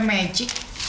ini juga kayak magic